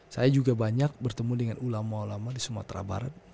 saya juga banyak bertemu dengan ulama ulama di sumatera barat